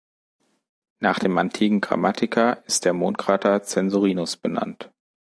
Nach dem antiken Grammatiker ist der Mondkrater Censorinus benannt.